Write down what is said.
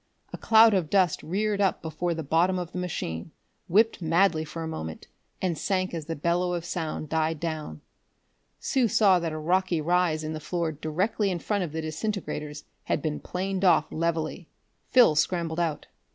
A cloud of dust reared up before the bottom of the machine, whipped madly for a moment, and sank as the bellow of sound died down. Sue saw that a rocky rise in the floor directly in front of the disintegrators had been planed off levelly. Phil scrambled out.